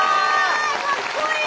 かっこいい！